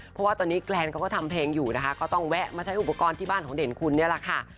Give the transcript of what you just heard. เพราะว่าตอนนี้แกรนเขาก็ทำเพลงอยู่นะคะก็ต้องแวะมาใช้อุปกรณ์ที่บ้านของเด่นคุณนี่แหละค่ะ